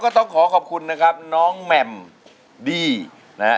ต้องขอขอบคุณนะครับน้องแหม่มดี้นะฮะ